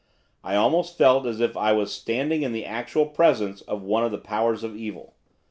I almost felt as if I was standing in the actual presence of one of the powers of evil.